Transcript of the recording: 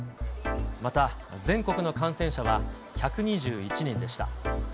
また、全国の感染者は、１２１人でした。